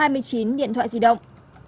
hai mươi chín điện thoại di động